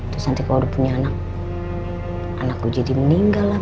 terus nanti kalau udah punya anak anakku jadi meninggal lah